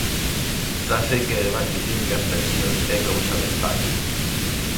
Xa sei que me van dicir que as pensións é cousa de España.